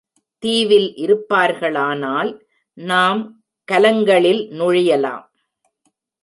தீவில் இருப்பார்களானால் நாம் கலங்களில் நுழையலாம்.